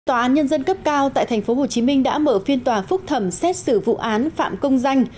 tòa án nhân dân cấp cao tại tp hcm đã mở phiên tòa phúc thẩm xét xử vụ án phạm công danh